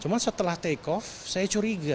cuma setelah take off saya curiga